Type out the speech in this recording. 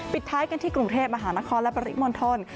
ท้ายกันที่กรุงเทพมหานครและปริมณฑล